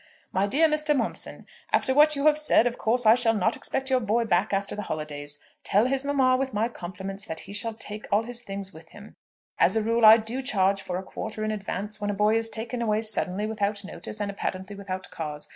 "MY DEAR MR. MOMSON, After what you have said, of course I shall not expect your boy back after the holidays. Tell his mamma, with my compliments, that he shall take all his things home with him. As a rule I do charge for a quarter in advance when a boy is taken away suddenly, without notice, and apparently without cause.